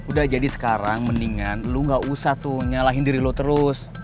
udah jadi sekarang mendingan lu gak usah tuh nyalahin diri lo terus